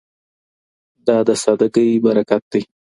دا د سادګۍ برکت دی.